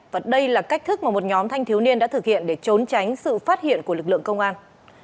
và đây là cách thức mà một nhóm thanh thiếu niên đã thực hiện để trốn tránh sự phát hiện của lực lượng công an